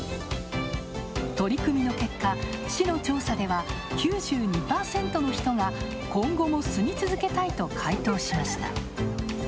取り組みの結果、市の調査では、９２％の人が今後も住み続けたいと回答しました。